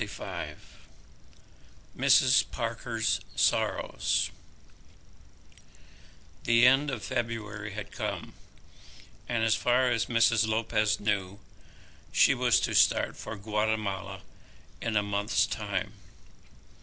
CHAPTER LV Mrs. Parker's Sorrows The end of February had come, and as far as Mrs. Lopez knew she was to start for Guatemala in a month's time.